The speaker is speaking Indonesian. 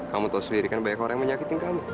kamu tahu sendiri kan banyak orang yang menyakitin kamu